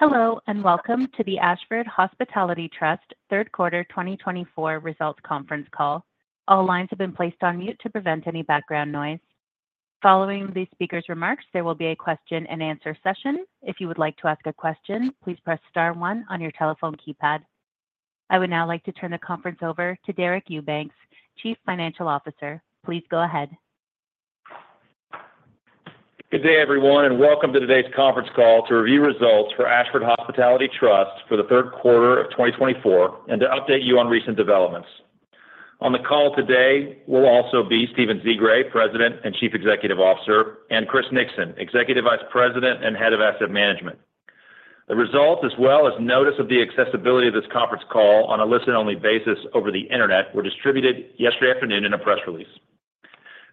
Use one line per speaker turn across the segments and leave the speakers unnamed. Hello and welcome to the Ashford Hospitality Trust Third Quarter 2024 Results Conference Call. All lines have been placed on mute to prevent any background noise. Following the speaker's remarks, there will be a question-and-answer session. If you would like to ask a question, please press star one on your telephone keypad. I would now like to turn the conference over to Deric Eubanks, Chief Financial Officer. Please go ahead.
Good day, everyone, and welcome to today's conference call to review results for Ashford Hospitality Trust for the third quarter of 2024 and to update you on recent developments. On the call today will also be Stephen Zsigray, President and Chief Executive Officer, and Chris Nixon, Executive Vice President and Head of Asset Management. The results, as well as notice of the accessibility of this conference call on a listen-only basis over the internet, were distributed yesterday afternoon in a press release.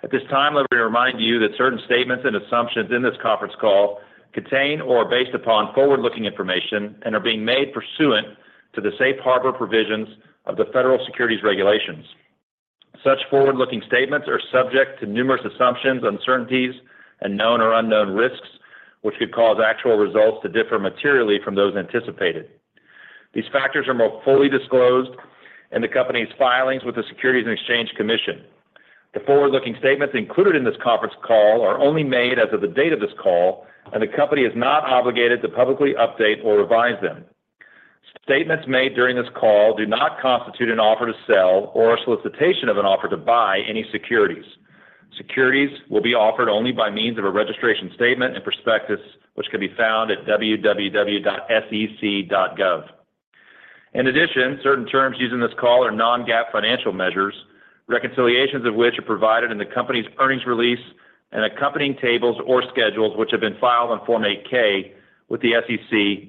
At this time, I would remind you that certain statements and assumptions in this conference call contain or are based upon forward-looking information and are being made pursuant to the safe harbor provisions of the federal securities regulations. Such forward-looking statements are subject to numerous assumptions, uncertainties, and known or unknown risks, which could cause actual results to differ materially from those anticipated. These factors are more fully disclosed in the company's filings with the Securities and Exchange Commission. The forward-looking statements included in this conference call are only made as of the date of this call, and the company is not obligated to publicly update or revise them. Statements made during this call do not constitute an offer to sell or a solicitation of an offer to buy any securities. Securities will be offered only by means of a registration statement and prospectus, which can be found at www.sec.gov. In addition, certain terms used in this call are non-GAAP financial measures, reconciliations of which are provided in the company's earnings release and accompanying tables or schedules which have been filed on Form 8-K with the SEC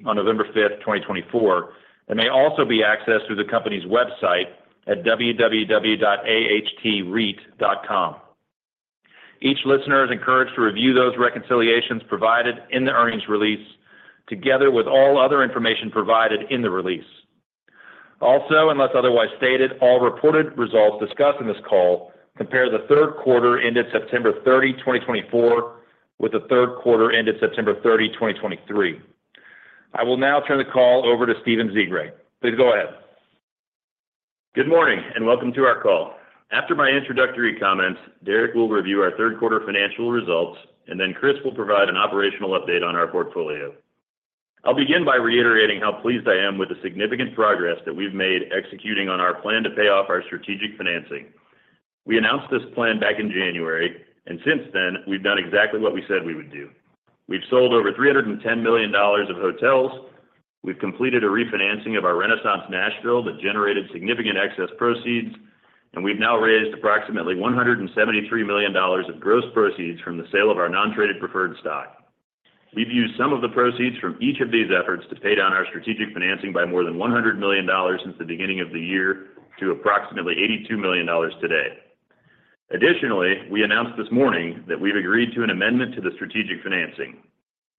on November 5th, 2024, and may also be accessed through the company's website at www.ahtreit.com. Each listener is encouraged to review those reconciliations provided in the earnings release together with all other information provided in the release. Also, unless otherwise stated, all reported results discussed in this call compare the third quarter ended September 30, 2024, with the third quarter ended September 30, 2023. I will now turn the call over to Stephen Zsigray. Please go ahead.
Good morning and welcome to our call. After my introductory comments, Deric will review our third quarter financial results, and then Chris will provide an operational update on our portfolio. I'll begin by reiterating how pleased I am with the significant progress that we've made executing on our plan to pay off our strategic financing. We announced this plan back in January, and since then, we've done exactly what we said we would do. We've sold over $310 million of hotels. We've completed a refinancing of our Renaissance Nashville that generated significant excess proceeds, and we've now raised approximately $173 million of gross proceeds from the sale of our non-traded preferred stock. We've used some of the proceeds from each of these efforts to pay down our strategic financing by more than $100 million since the beginning of the year to approximately $82 million today. Additionally, we announced this morning that we've agreed to an amendment to the strategic financing.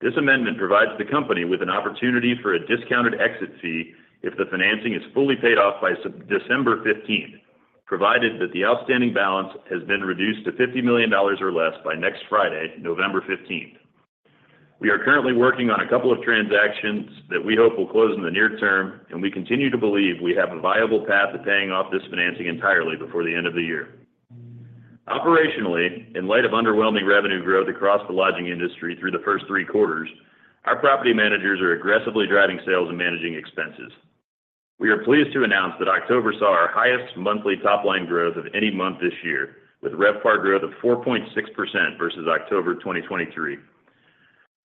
This amendment provides the company with an opportunity for a discounted exit fee if the financing is fully paid off by December 15th, provided that the outstanding balance has been reduced to $50 million or less by next Friday, November 15th. We are currently working on a couple of transactions that we hope will close in the near term, and we continue to believe we have a viable path to paying off this financing entirely before the end of the year. Operationally, in light of underwhelming revenue growth across the lodging industry through the first three quarters, our property managers are aggressively driving sales and managing expenses. We are pleased to announce that October saw our highest monthly top-line growth of any month this year, with RevPAR growth of 4.6% versus October 2023.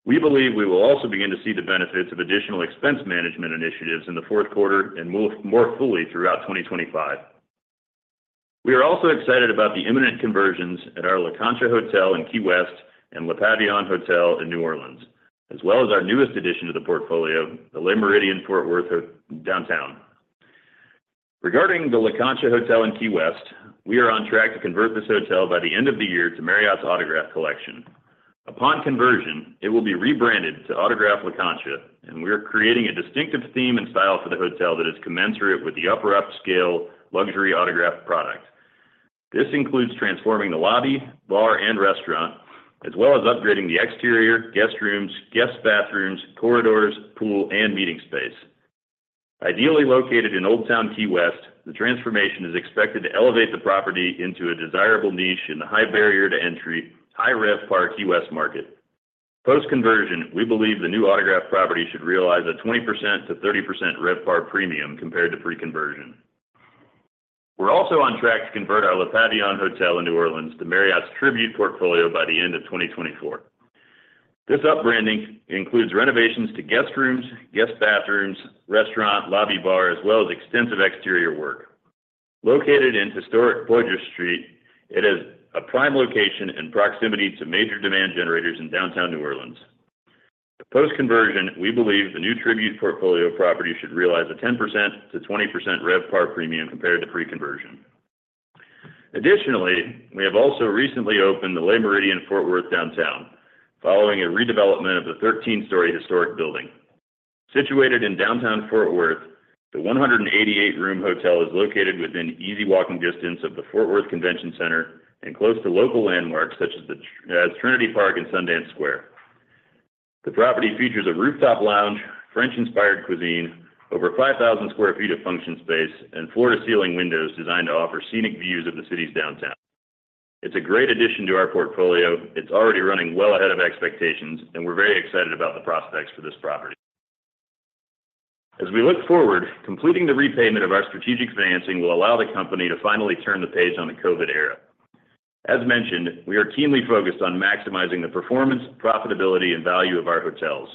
We believe we will also begin to see the benefits of additional expense management initiatives in the fourth quarter and more fully throughout 2025. We are also excited about the imminent conversions at our La Concha Hotel in Key West and Le Pavillon Hotel in New Orleans, as well as our newest addition to the portfolio, the Le Méridien Fort Worth Downtown. Regarding the La Concha Hotel in Key West, we are on track to convert this hotel by the end of the year to Marriott's Autograph Collection. Upon conversion, it will be rebranded to Autograph La Concha, and we are creating a distinctive theme and style for the hotel that is commensurate with the upper-upscale luxury Autograph product. This includes transforming the lobby, bar, and restaurant, as well as upgrading the exterior, guest rooms, guest bathrooms, corridors, pool, and meeting space. Ideally located in Old Town Key West, the transformation is expected to elevate the property into a desirable niche in the high barrier to entry, high RevPAR Key West market. Post-conversion, we believe the new Autograph property should realize a 20%-30% RevPAR premium compared to pre-conversion. We're also on track to convert our Le Pavillon Hotel in New Orleans to Marriott's Tribute Portfolio by the end of 2024. This upbranding includes renovations to guest rooms, guest bathrooms, restaurant, lobby, bar, as well as extensive exterior work. Located in historic Poydras Street, it is a prime location in proximity to major demand generators in downtown New Orleans. Post-conversion, we believe the new Tribute Portfolio property should realize a 10%-20% RevPAR premium compared to pre-conversion. Additionally, we have also recently opened the Le Méridien Fort Worth Downtown following a redevelopment of the 13-story historic building. Situated in Downtown Fort Worth, the 188-room hotel is located within easy walking distance of the Fort Worth Convention Center and close to local landmarks such as Trinity Park and Sundance Square. The property features a rooftop lounge, French-inspired cuisine, over 5,000 sq ft of function space, and floor-to-ceiling windows designed to offer scenic views of the city's downtown. It's a great addition to our portfolio. It's already running well ahead of expectations, and we're very excited about the prospects for this property. As we look forward, completing the repayment of our strategic financing will allow the company to finally turn the page on the COVID era. As mentioned, we are keenly focused on maximizing the performance, profitability, and value of our hotels.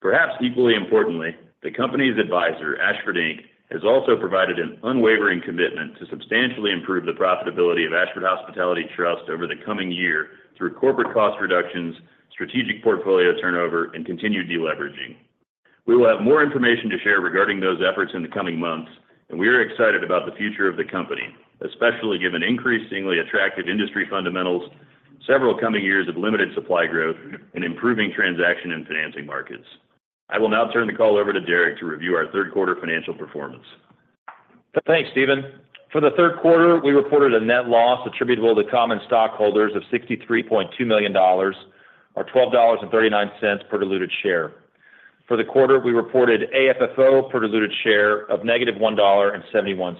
Perhaps equally importantly, the company's advisor, Ashford Inc, has also provided an unwavering commitment to substantially improve the profitability of Ashford Hospitality Trust over the coming year through corporate cost reductions, strategic portfolio turnover, and continued deleveraging. We will have more information to share regarding those efforts in the coming months, and we are excited about the future of the company, especially given increasingly attractive industry fundamentals, several coming years of limited supply growth, and improving transaction and financing markets. I will now turn the call over to Deric to review our third quarter financial performance.
Thanks, Stephen. For the third quarter, we reported a net loss attributable to common stockholders of $63.2 million, or $12.39 per diluted share. For the quarter, we reported AFFO per diluted share of -$1.71.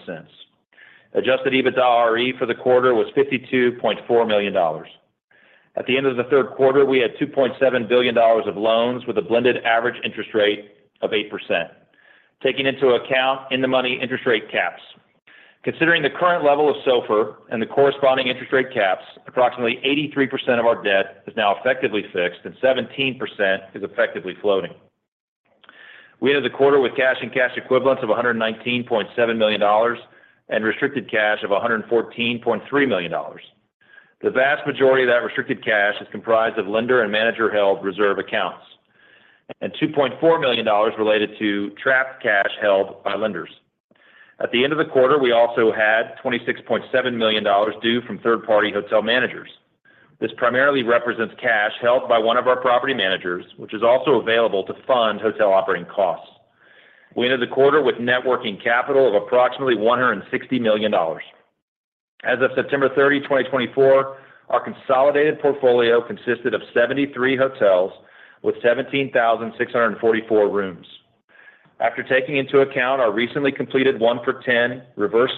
Adjusted EBITDA for the quarter was $52.4 million. At the end of the third quarter, we had $2.7 billion of loans with a blended average interest rate of 8%, taking into account in-the-money interest rate caps. Considering the current level of SOFR and the corresponding interest rate caps, approximately 83% of our debt is now effectively fixed, and 17% is effectively floating. We ended the quarter with cash and cash equivalents of $119.7 million and restricted cash of $114.3 million. The vast majority of that restricted cash is comprised of lender and manager-held reserve accounts and $2.4 million related to trapped cash held by lenders. At the end of the quarter, we also had $26.7 million due from third-party hotel managers. This primarily represents cash held by one of our property managers, which is also available to fund hotel operating costs. We ended the quarter with net working capital of approximately $160 million. As of September 30, 2024, our consolidated portfolio consisted of 73 hotels with 17,644 rooms. After taking into account our recently completed one for 10 reverse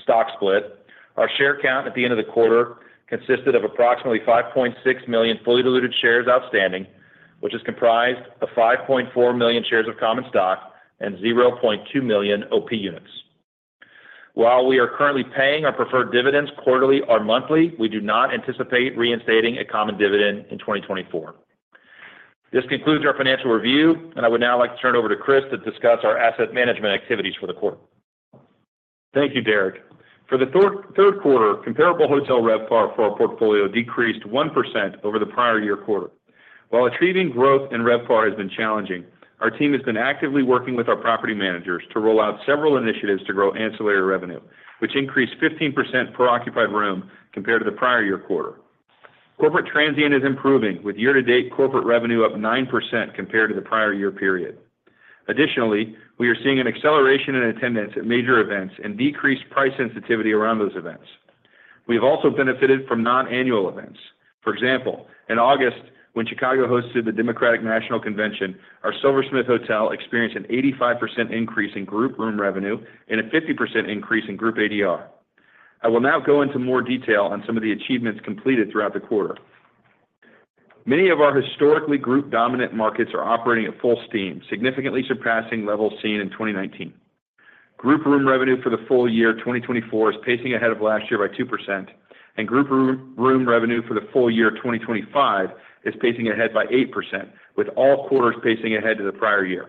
stock split, our share count at the end of the quarter consisted of approximately 5.6 million fully diluted shares outstanding, which is comprised of 5.4 million shares of common stock and 0.2 million OP units. While we are currently paying our preferred dividends quarterly or monthly, we do not anticipate reinstating a common dividend in 2024. This concludes our financial review, and I would now like to turn it over to Chris to discuss our asset management activities for the quarter.
Thank you, Deric. For the third quarter, comparable hotel RevPAR for our portfolio decreased 1% over the prior year quarter. While achieving growth in RevPAR has been challenging, our team has been actively working with our property managers to roll out several initiatives to grow ancillary revenue, which increased 15% per occupied room compared to the prior year quarter. Corporate transient is improving, with year-to-date corporate revenue up 9% compared to the prior year period. Additionally, we are seeing an acceleration in attendance at major events and decreased price sensitivity around those events. We have also benefited from non-annual events. For example, in August, when Chicago hosted the Democratic National Convention, our Silversmith Hotel experienced an 85% increase in group room revenue and a 50% increase in group ADR. I will now go into more detail on some of the achievements completed throughout the quarter. Many of our historically group-dominant markets are operating at full steam, significantly surpassing levels seen in 2019. Group room revenue for the full year 2024 is pacing ahead of last year by 2%, and group room revenue for the full year 2025 is pacing ahead by 8%, with all quarters pacing ahead of the prior year.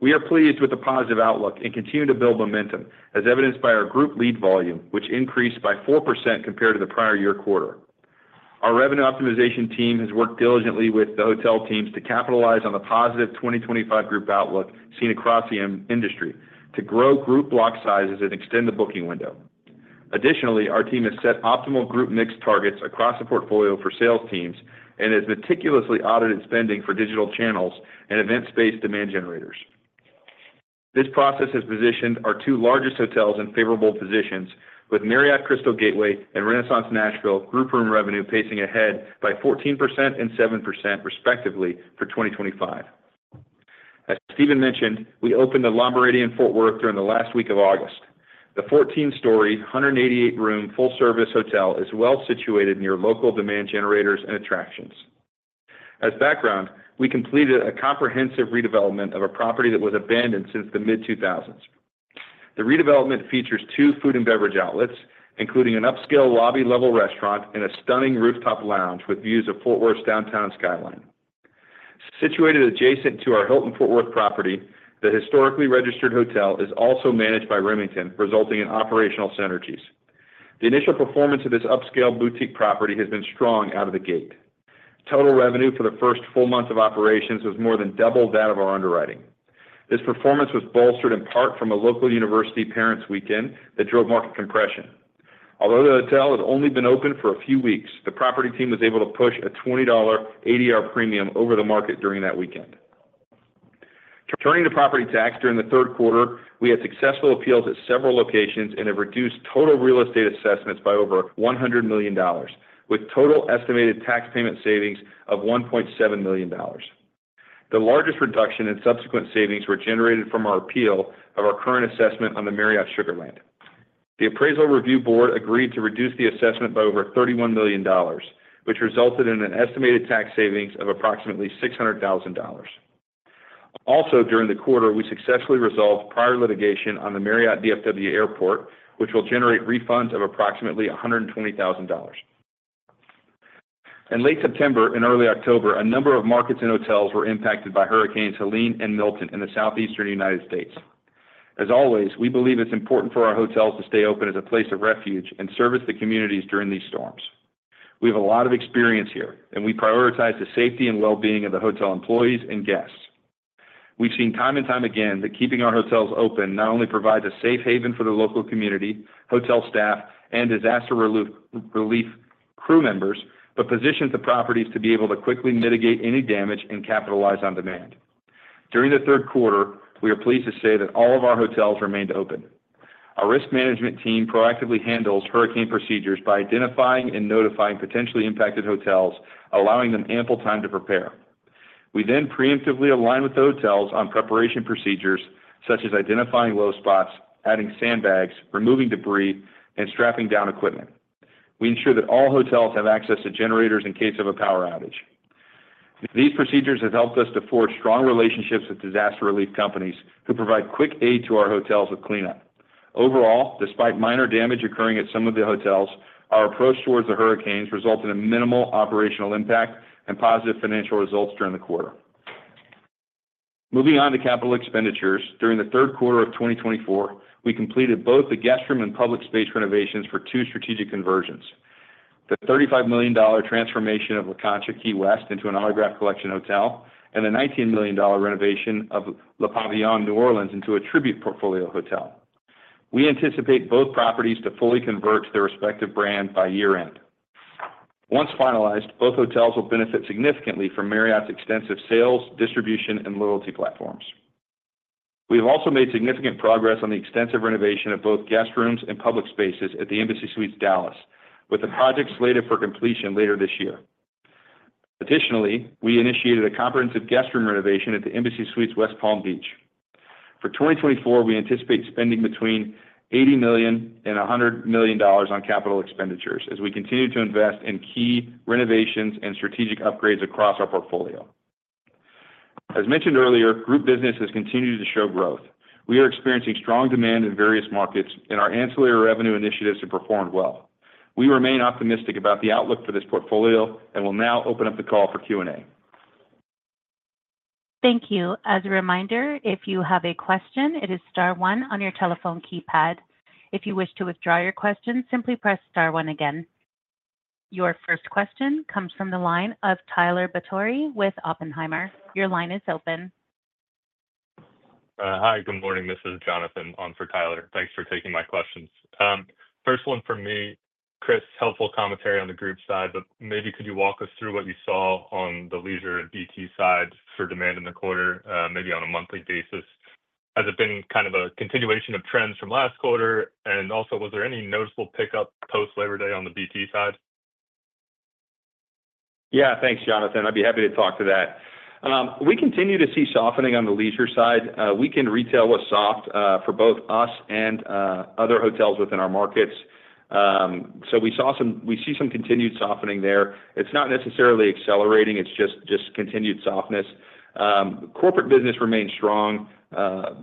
We are pleased with the positive outlook and continue to build momentum, as evidenced by our group lead volume, which increased by 4% compared to the prior year quarter. Our revenue optimization team has worked diligently with the hotel teams to capitalize on the positive 2025 group outlook seen across the industry to grow group block sizes and extend the booking window. Additionally, our team has set optimal group mix targets across the portfolio for sales teams and has meticulously audited spending for digital channels and event-based demand generators. This process has positioned our two largest hotels in favorable positions, with Marriott Crystal Gateway and Renaissance Nashville group room revenue pacing ahead by 14% and 7% respectively for 2025. As Stephen mentioned, we opened the Le Méridien Fort Worth during the last week of August. The 14-story, 188-room full-service hotel is well situated near local demand generators and attractions. As background, we completed a comprehensive redevelopment of a property that was abandoned since the mid-2000s. The redevelopment features two food and beverage outlets, including an upscale lobby-level restaurant and a stunning rooftop lounge with views of Fort Worth's downtown skyline. Situated adjacent to our Hilton Fort Worth property, the historically registered hotel is also managed by Remington, resulting in operational synergies. The initial performance of this upscale boutique property has been strong out of the gate. Total revenue for the first full month of operations was more than double that of our underwriting. This performance was bolstered in part from a local university parents' weekend that drove market compression. Although the hotel had only been open for a few weeks, the property team was able to push a $20 ADR premium over the market during that weekend. Turning to property tax during the third quarter, we had successful appeals at several locations and have reduced total real estate assessments by over $100 million, with total estimated tax payment savings of $1.7 million. The largest reduction in subsequent savings was generated from our appeal of our current assessment on the Marriott Sugar Land. The appraisal review board agreed to reduce the assessment by over $31 million, which resulted in an estimated tax savings of approximately $600,000. Also, during the quarter, we successfully resolved prior litigation on the Marriott DFW Airport, which will generate refunds of approximately $120,000. In late September and early October, a number of markets and hotels were impacted by Hurricanes Helene and Milton in the southeastern United States. As always, we believe it's important for our hotels to stay open as a place of refuge and service the communities during these storms. We have a lot of experience here, and we prioritize the safety and well-being of the hotel employees and guests. We've seen time and time again that keeping our hotels open not only provides a safe haven for the local community, hotel staff, and disaster relief crew members, but positions the properties to be able to quickly mitigate any damage and capitalize on demand. During the third quarter, we are pleased to say that all of our hotels remained open. Our risk management team proactively handles hurricane procedures by identifying and notifying potentially impacted hotels, allowing them ample time to prepare. We then preemptively align with the hotels on preparation procedures, such as identifying low spots, adding sandbags, removing debris, and strapping down equipment. We ensure that all hotels have access to generators in case of a power outage. These procedures have helped us to forge strong relationships with disaster relief companies who provide quick aid to our hotels with cleanup. Overall, despite minor damage occurring at some of the hotels, our approach towards the hurricanes resulted in minimal operational impact and positive financial results during the quarter. Moving on to capital expenditures, during the third quarter of 2024, we completed both the guest room and public space renovations for two strategic conversions: the $35 million transformation of La Concha Key West into an Autograph Collection hotel and the $19 million renovation of Le Pavillon New Orleans into a Tribute Portfolio hotel. We anticipate both properties to fully convert to their respective brand by year-end. Once finalized, both hotels will benefit significantly from Marriott's extensive sales, distribution, and loyalty platforms. We have also made significant progress on the extensive renovation of both guest rooms and public spaces at the Embassy Suites Dallas, with the project slated for completion later this year. Additionally, we initiated a comprehensive guest room renovation at the Embassy Suites West Palm Beach. For 2024, we anticipate spending between $80 million and $100 million on capital expenditures as we continue to invest in key renovations and strategic upgrades across our portfolio. As mentioned earlier, group business has continued to show growth. We are experiencing strong demand in various markets, and our ancillary revenue initiatives have performed well. We remain optimistic about the outlook for this portfolio and will now open up the call for Q&A.
Thank you. As a reminder, if you have a question, it is star one on your telephone keypad. If you wish to withdraw your question, simply press star one again. Your first question comes from the line of Tyler Batory with Oppenheimer. Your line is open. Hi, good morning. This is Jonathan on for Tyler. Thanks for taking my questions. First one for me, Chris, helpful commentary on the group side, but maybe could you walk us through what you saw on the leisure and BT side for demand in the quarter, maybe on a monthly basis? Has it been kind of a continuation of trends from last quarter? And also, was there any noticeable pickup post-Labor Day on the BT side?
Yeah, thanks, Jonathan. I'd be happy to talk to that. We continue to see softening on the leisure side. Weekend retail was soft for both us and other hotels within our markets. So we see some continued softening there. It's not necessarily accelerating, it's just continued softness. Corporate business remained strong.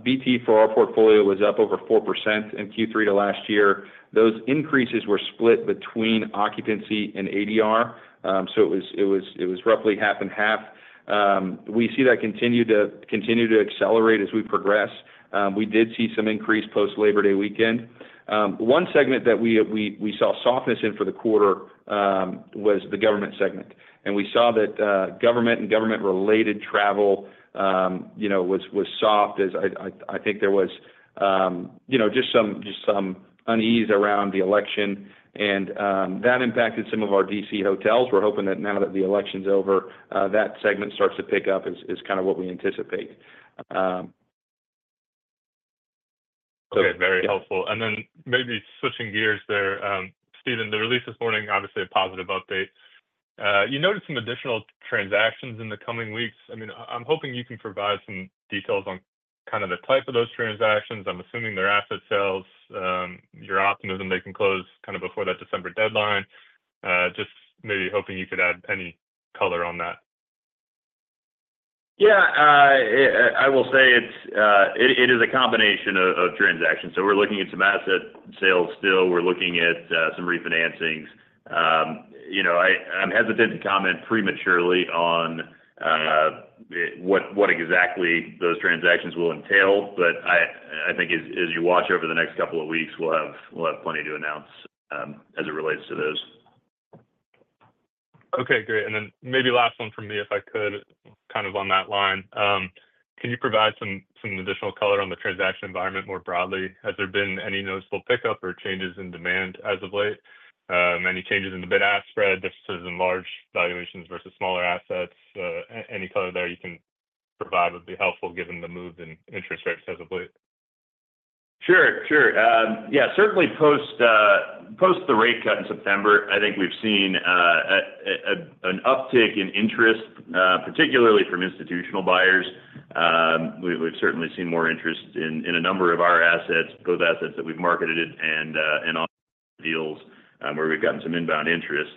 BT for our portfolio was up over 4% in Q3 to last year. Those increases were split between occupancy and ADR, so it was roughly half and half. We see that continue to accelerate as we progress. We did see some increase post-Labor Day weekend. One segment that we saw softness in for the quarter was the government segment, and we saw that government and government-related travel was soft, as I think there was just some unease around the election, and that impacted some of our DC hotels. We're hoping that now that the election's over, that segment starts to pick up, is kind of what we anticipate. Okay, very helpful, and then maybe switching gears there, Stephen, the release this morning, obviously a positive update. You noted some additional transactions in the coming weeks. I mean, I'm hoping you can provide some details on kind of the type of those transactions. I'm assuming they're asset sales. Your optimism they can close kind of before that December deadline. Just maybe hoping you could add any color on that.
Yeah, I will say it is a combination of transactions. So we're looking at some asset sales still. We're looking at some refinancings. I'm hesitant to comment prematurely on what exactly those transactions will entail, but I think as you watch over the next couple of weeks, we'll have plenty to announce as it relates to those. Okay, great. And then maybe last one for me, if I could, kind of on that line. Can you provide some additional color on the transaction environment more broadly? Has there been any noticeable pickup or changes in demand as of late? Any changes in the bid-ask spread, differences in large valuations versus smaller assets? Any color there you can provide would be helpful given the move in interest rates as of late. Sure, sure. Yeah, certainly post the rate cut in September, I think we've seen an uptick in interest, particularly from institutional buyers. We've certainly seen more interest in a number of our assets, both assets that we've marketed and on deals where we've gotten some inbound interest.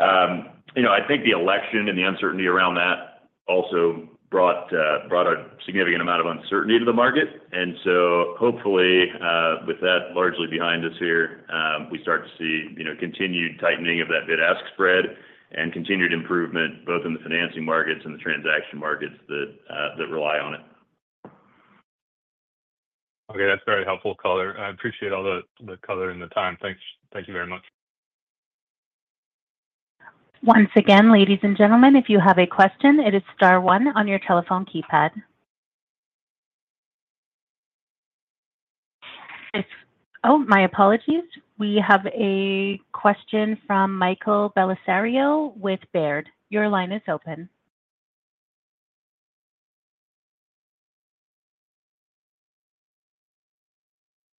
I think the election and the uncertainty around that also brought a significant amount of uncertainty to the market, and so hopefully, with that largely behind us here, we start to see continued tightening of that bid-ask spread and continued improvement both in the financing markets and the transaction markets that rely on it. Okay, that's very helpful color. I appreciate all the color and the time. Thank you very much.
Once again, ladies and gentlemen, if you have a question, it is Star 1 on your telephone keypad. Oh, my apologies. We have a question from Michael Belisario with Baird. Your line is open.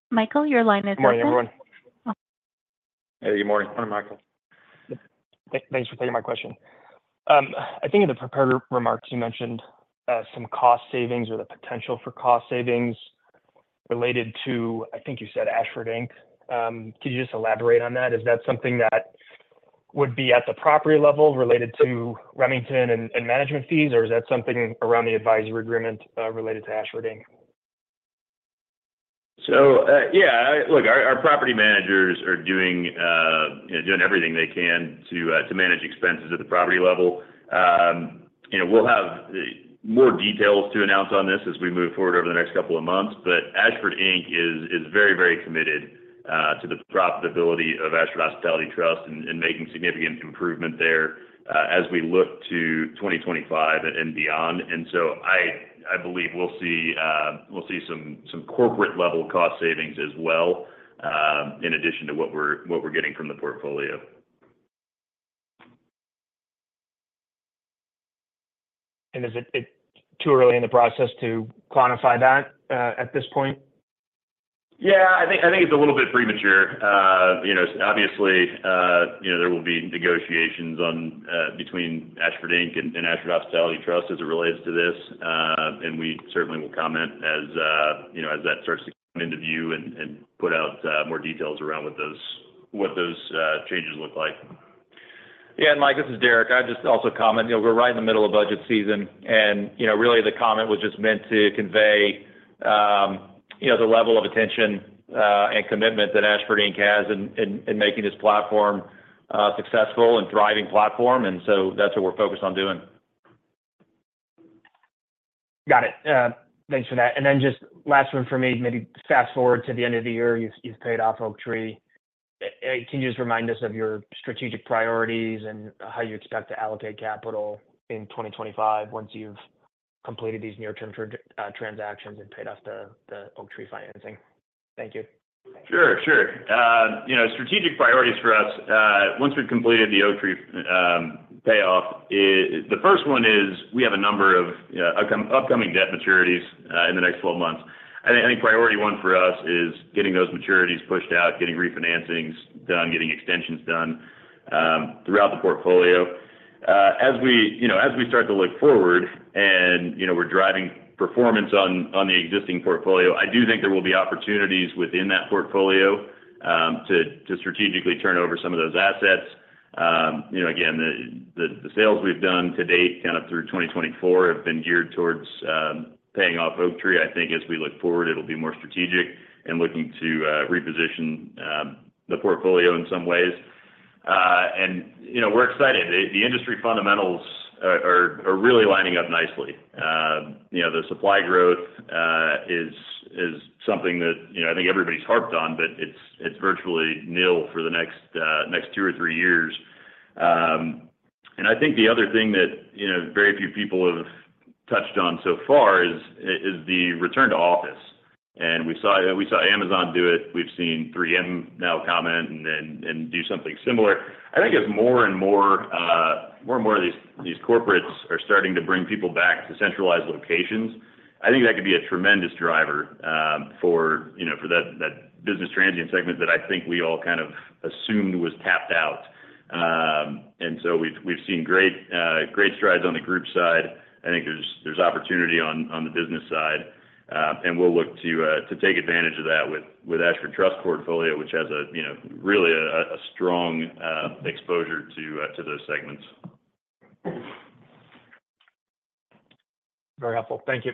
Michael, your line is open. Morning, everyone.
Hey, good morning.
Morning, Michael. Thanks for taking my question. I think in the prepared remarks, you mentioned some cost savings or the potential for cost savings related to, I think you said, Ashford Inc. Could you just elaborate on that? Is that something that would be at the property level related to Remington and management fees, or is that something around the advisory agreement related to Ashford Inc? So yeah, look, our property managers are doing everything they can to manage expenses at the property level. We'll have more details to announce on this as we move forward over the next couple of months, but Ashford Inc is very, very committed to the profitability of Ashford Hospitality Trust and making significant improvement there as we look to 2025 and beyond. And so I believe we'll see some corporate-level cost savings as well in addition to what we're getting from the portfolio. Is it too early in the process to quantify that at this point? Yeah, I think it's a little bit premature. Obviously, there will be negotiations between Ashford Inc and Ashford Hospitality Trust as it relates to this, and we certainly will comment as that starts to come into view and put out more details around what those changes look like.
Yeah, and Mike, this is Deric. I'd just also comment, we're right in the middle of budget season, and really the comment was just meant to convey the level of attention and commitment that Ashford Inc has in making this platform a successful and thriving platform, and so that's what we're focused on doing. Got it. Thanks for that. And then just last one for me, maybe fast forward to the end of the year, you've paid off Oaktree. Can you just remind us of your strategic priorities and how you expect to allocate capital in 2025 once you've completed these near-term transactions and paid off the Oaktree financing? Thank you.
Sure, sure. Strategic priorities for us, once we've completed the Oaktree payoff, the first one is we have a number of upcoming debt maturities in the next 12 months. I think priority one for us is getting those maturities pushed out, getting refinancings done, getting extensions done throughout the portfolio. As we start to look forward and we're driving performance on the existing portfolio, I do think there will be opportunities within that portfolio to strategically turn over some of those assets. Again, the sales we've done to date kind of through 2024 have been geared towards paying off Oaktree. I think as we look forward, it'll be more strategic and looking to reposition the portfolio in some ways. And we're excited. The industry fundamentals are really lining up nicely. The supply growth is something that I think everybody's harped on, but it's virtually nil for the next two or three years, and I think the other thing that very few people have touched on so far is the return to office, and we saw Amazon do it. We've seen 3M now comment and do something similar. I think as more and more of these corporates are starting to bring people back to centralized locations, I think that could be a tremendous driver for that business transient segment that I think we all kind of assumed was tapped out, and so we've seen great strides on the group side. I think there's opportunity on the business side, and we'll look to take advantage of that with Ashford Trust portfolio, which has really a strong exposure to those segments. Very helpful. Thank you.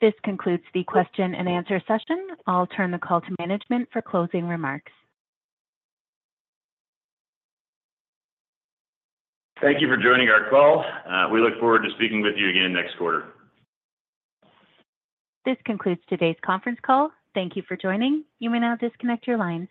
This concludes the question and answer session. I'll turn the call to management for closing remarks.
Thank you for joining our call. We look forward to speaking with you again next quarter.
This concludes today's conference call. Thank you for joining. You may now disconnect your lines.